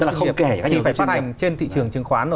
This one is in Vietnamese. thì phải phát hành trên thị trường chứng khoán